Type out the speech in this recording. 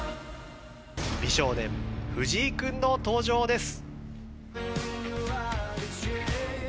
美少年藤井君の登場です。